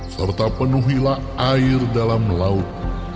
serta penuhilah air dalam laut